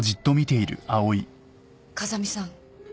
風見さん。